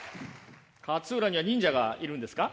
勝浦には忍者がいるんですか？